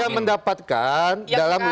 dia mendapatkan dalam wa group